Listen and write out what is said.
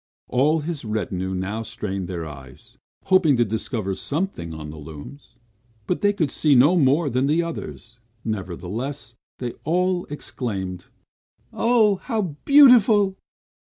All his retinue now strained their eyes, hoping to discover something on the looms, but they could see no more than the others; nevertheless, they all exclaimed, "Oh, how beautiful!"